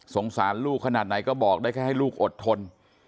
สารลูกขนาดไหนก็บอกได้แค่ให้ลูกอดทน